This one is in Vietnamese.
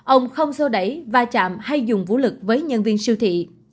ông không sâu đẩy va chạm hay dùng vũ lực với nhân viên siêu thị